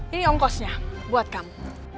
ini ongkosnya buat kamu